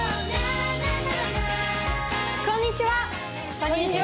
こんにちは。